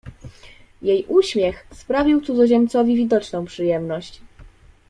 Jej uśmiech sprawił cudzoziemcowi widoczną przyjemność.